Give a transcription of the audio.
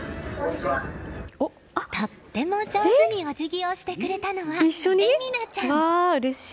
とっても上手にお辞儀をしてくれたのは咲愛ちゃん。